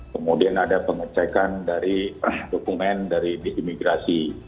kemudian ada pengecekan dari dokumen dari di imigrasi